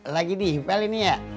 lagi di iqbal ini ya